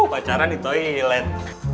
bacaran di toilet